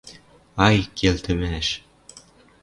— Ай, келтӹмӓш!